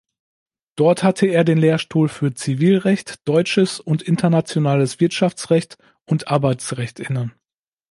Dort hatte er den Lehrstuhl für Zivilrecht, deutsches und internationales Wirtschaftsrecht und Arbeitsrecht inne.